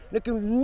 nó kêu nhanh